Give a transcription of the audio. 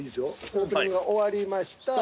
オープニングが終わりました。